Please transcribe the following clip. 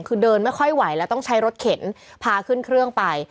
คือเดินไม่ค่อยไหวแล้วต้องใช้รถเข็นพาขึ้นเครื่องไป